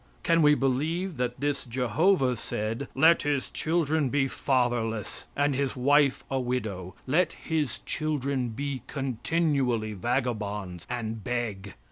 Can we believe that this Jehovah said: "Let his children be fatherless and his wife a widow. Let his children be continually vagabonds, and beg.